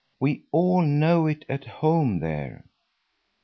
We all know it at home there."